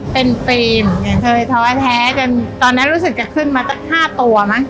เป็นฟิล์มไงเคยท้อแท้จนตอนนั้นรู้สึกจะขึ้นมาสักห้าตัวมั้ง